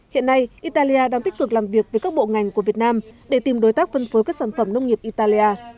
hiện nay italia đang tích cực làm việc với các bộ ngành của việt nam để tìm đối tác phân phối các sản phẩm nông nghiệp italia